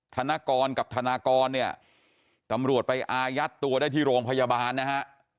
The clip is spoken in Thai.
ธนกรกับธนากรเนี่ยตำรวจไปอายัดตัวได้ที่โรงพยาบาลนะฮะ